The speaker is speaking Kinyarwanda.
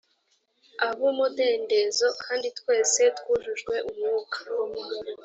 ab umudendezo kandi twese twujujwe umwuka